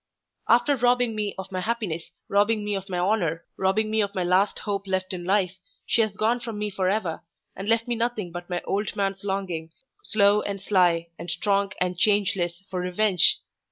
After robbing me of my happiness, robbing me of my honor, robbing me of my last hope left in life, she has gone from me forever, and left me nothing but my old man's longing, slow and sly, and strong and changeless, for revenge.